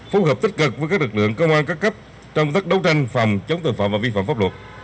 phù hợp tích cực với các lực lượng công an các cấp trong công tác đấu tranh phạm chống tội phạm và vi phạm pháp luật